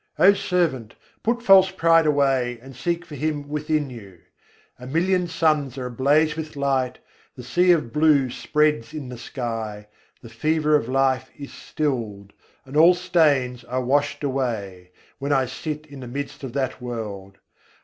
O servant! put false pride away, and seek for Him within you. A million suns are ablaze with light, The sea of blue spreads in the sky, The fever of life is stilled, and all stains are washed away; when I sit in the midst of that world.